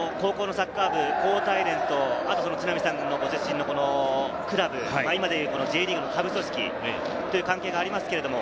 高校サッカー部、高体連と、都並さんご出身のクラブ、今で言うＪリーグの下部組織の関係があります。